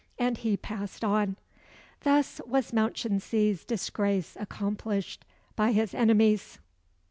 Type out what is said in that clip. And he passed on. Thus was Mounchensey's disgrace accomplished by his enemies.